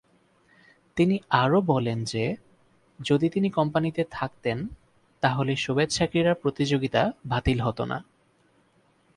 তিনি আরো বলেন যে, যদি তিনি কোম্পানীতে থাকতেন তাহলে শুভেচ্ছা ক্রীড়া প্রতিযোগিতা বাতিল হতো না।